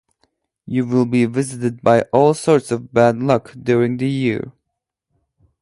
You will be visited by all sorts of bad luck during the year.